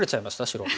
白。